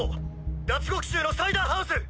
脱獄囚のサイダーハウス！